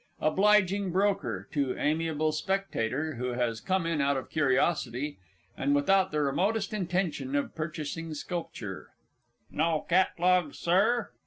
_ OBLIGING BROKER (to AMIABLE SPECTATOR, who has come in out of curiosity, and without the remotest intention of purchasing sculpture). No Catlog, Sir?